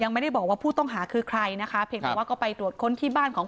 ไม่ได้บอกว่าผู้ต้องหาคือใครนะคะเพียงแต่ว่าก็ไปตรวจค้นที่บ้านของ